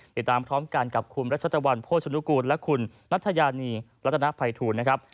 ติดตามพร้อมกันกับคุณรัชตะวันโภชนุกูลและคุณนัทยานีรัตนภัยทูลนะครับ